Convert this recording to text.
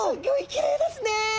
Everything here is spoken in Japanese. きれいですね。